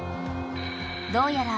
［どうやら］